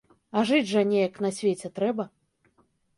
А жыць жа неяк на свеце трэба.